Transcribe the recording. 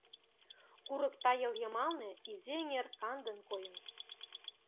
Курык тайыл йымалне изи эҥер кандын койын.